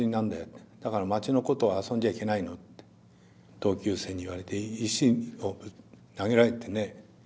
「だから町の子とは遊んじゃいけないの」って同級生に言われて石を投げられてね。